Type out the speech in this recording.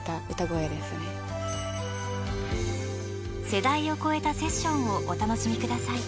［世代を超えたセッションをお楽しみください］